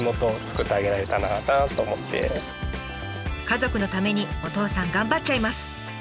家族のためにお父さん頑張っちゃいます。